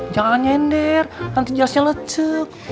jangan nyender nanti jasnya lecek